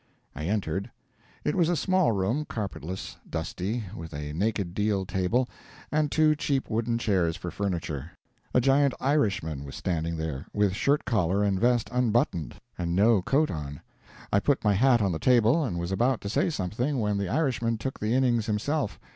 I entered. It was a small room, carpetless, dusty, with a naked deal table, and two cheap wooden chairs for furniture. A giant Irishman was standing there, with shirt collar and vest unbuttoned, and no coat on. I put my hat on the table, and was about to say something, when the Irishman took the innings himself.